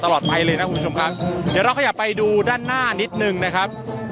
ไปเลยนะคุณผู้ชมครับเดี๋ยวเราขยับไปดูด้านหน้านิดนึงนะครับ